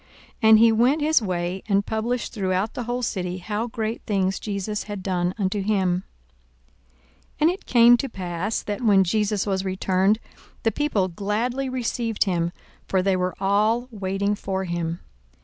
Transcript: And he went his way, and published throughout the whole city how great things Jesus had done unto him. 42:008:040 And it came to pass, that, when Jesus was returned, the people gladly received him: for they were all waiting for him.